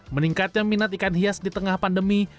meningkatnya minat ikan hias di tengah pandemi